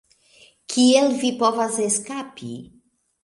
Kiel vi povas eskapi?"